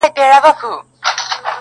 راځه د اوښکو تويول در زده کړم~